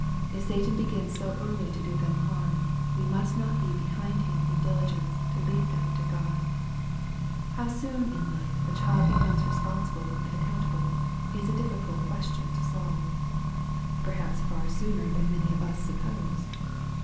If Satan begins so early to do them harm, we must not be behind him in diligeiico to lead them to God. How soon in life a child becomes responsible and accountable, is a difficult question to solve. Perhaps far sooner than many of us suppose.